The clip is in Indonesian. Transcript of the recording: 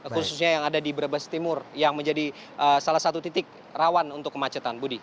khususnya yang ada di brebes timur yang menjadi salah satu titik rawan untuk kemacetan budi